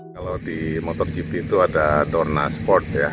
kalau di motor gp itu ada dorna sport ya